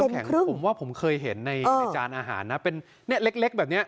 เซ็นครึ่งผมว่าผมเคยเห็นในจานอาหารนะเป็นเล็กแบบเนี้ย